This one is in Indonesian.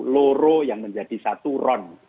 loro yang menjadi satu ron